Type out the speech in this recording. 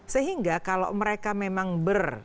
sehingga kalau mereka memang ber